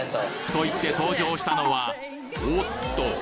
と言って登場したのはおっと！？